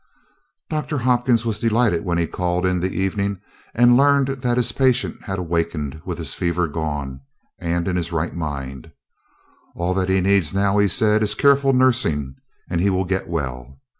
Doctor Hopkins was delighted when he called in the evening and learned that his patient had awaked with his fever gone, and in his right mind. "All that he needs now," he said, "is careful nursing, and he will get well.